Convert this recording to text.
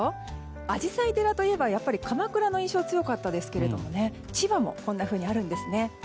アジサイ寺といえば鎌倉の印象が強いですが千葉もこんなふうにあるんですね。